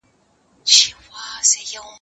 مرسته د زهشوم له خوا کيږي!